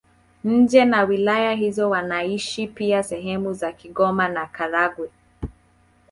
Nje na wilaya hizo wanaishi pia sehemu za Kigoma na Karagwe.